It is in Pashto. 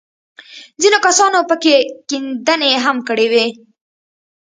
ځينو کسانو پکښې کيندنې هم کړې وې.